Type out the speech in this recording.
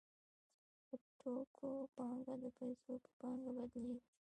د توکو پانګه د پیسو په پانګه بدلېږي